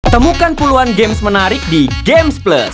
temukan puluhan games menarik di gamesplus